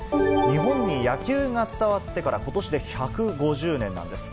日本に野球が伝わってから、ことしで１５０年なんです。